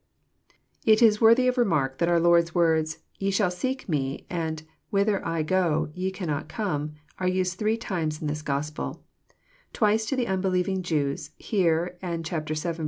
It is worthy of remark that our Lord's words, " Ye shall seek Me," and Whither I go ye cannot come," are used three times in this Gospel :— twice to the unbelieving Jews, here and vii.